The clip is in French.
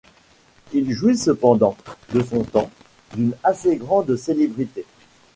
Il jouit cependant, de son temps, d’une assez grande célébrité.